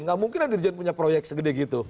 gak mungkin lah dirjen punya proyek segede gitu